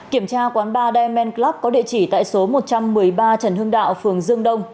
kiểm tra quán ba dman club có địa chỉ tại số một trăm một mươi ba trần hưng đạo phường dương đông